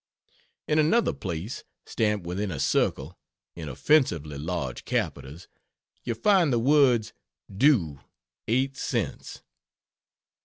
In another place, stamped within a circle, in offensively large capitals, you find the words "DUE 8 CENTS."